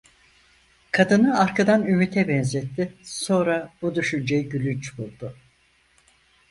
Kadını arkadan Ümit’e benzetti; sonra bu düşünceyi gülünç buldu.